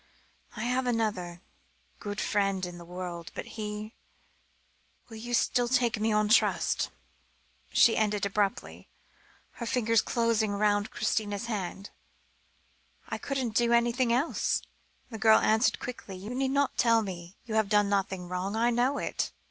I have another good friend in the world, but he will you still take me on trust?" she ended abruptly, her fingers closing round Christina's hand. "I couldn't do anything else," the girl answered quickly; "you need not tell me you have done nothing wrong; I know it.